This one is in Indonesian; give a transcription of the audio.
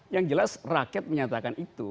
yang jelas rakyat menyatakan itu